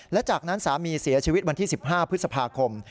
และจากนั้นสามีเสียชีวิตวันที่๑๕พฤษภาคม